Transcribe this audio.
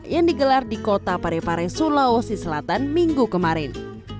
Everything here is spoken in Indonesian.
yang digelar di kota parepare sulawesi selatan minggu kemarin